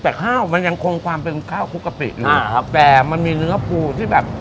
แต่ข้าวมันยังคงความเป็นข้าวคลุกกะปิเลยอ่าครับแต่มันมีเนื้อปูที่แบบ